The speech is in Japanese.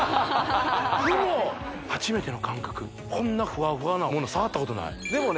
初めての感覚こんなふわふわなもの触ったことないでもね